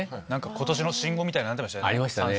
「今年の新語」になってましたよね。